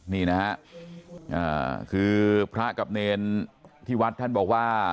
นี่นะฮะคือพระกับเนรที่วัดท่านบอกว่า